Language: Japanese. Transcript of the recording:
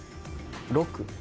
６。